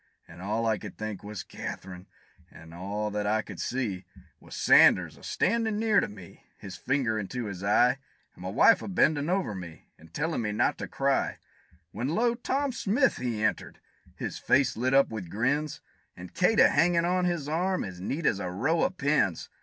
And all I could think, was "Kath'rine!" and all that I could see, Was Sanders a standin' near to me, his finger into his eye, And my wife a bendin' over me, and tellin' me not to cry; When, lo! Tom Smith he entered his face lit up with grins And Kate a hangin' on his arm, as neat as a row of pins!